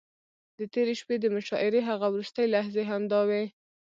د تېرې شپې د مشاعرې هغه وروستۍ لحظې همداوې.